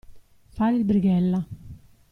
Fare il brighella.